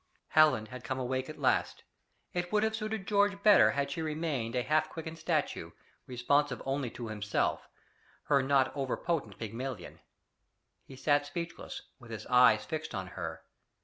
Helen had come awake at last! It would have suited George better had she remained a half quickened statue, responsive only to himself, her not over potent Pygmalion. He sat speechless with his eyes fixed on her.